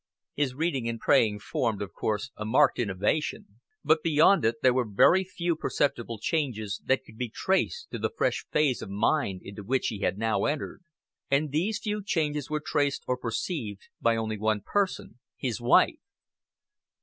His reading and praying formed, of course, a marked innovation; but beyond it there were very few perceptible changes that could be traced to the fresh phase of mind into which he had now entered. And these few changes were traced or perceived by only one person, his wife.